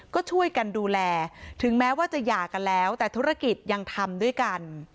ก็ช่วยกันดูแลถึงแม้ว่าจะหย่ากันแล้วแต่ธุรกิจยังทำด้วยกัน